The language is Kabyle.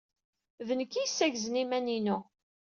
D nekk ay yessaggzen iman-inu.